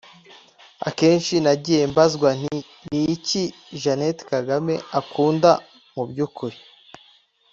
Akenshi nagiye mbazwa nti “Ni iki Jeannette Kagame akunda mu by’ukuri